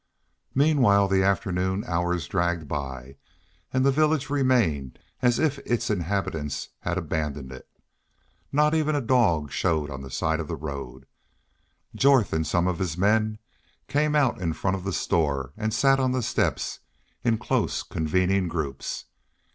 Meanwhile the afternoon hours dragged by and the village remained as if its inhabitants had abandoned it. Not even a dog showed on the side road. Jorth and some of his men came out in front of the store and sat on the steps, in close convening groups.